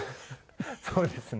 そうですね。